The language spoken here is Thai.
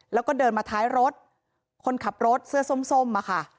แล้วก็เดินมาท้ายรถคนขับรถเสื้อส้มอะค่ะ